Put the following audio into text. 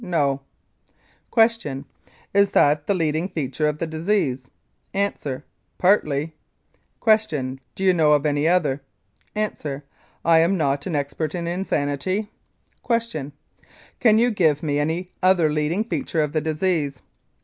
No. Q. Is that the leading feature of the disease? A. Partly. Q. Do you know of any other? A. I am not an expert in insanity. Q. Can you give me any other leading feature of the disease?